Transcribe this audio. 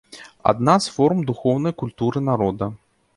Адна з форм духоўнай культуры народа.